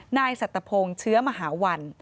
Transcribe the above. นายสัตพงเชื้อมหาวัน